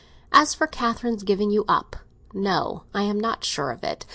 As for Catherine's giving you up—no, I am not sure of it.